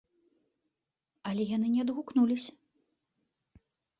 Але яны не адгукнуліся.